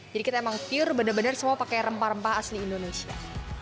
jadi kita emang pure benar benar semua pakai rempah rempah asli indonesia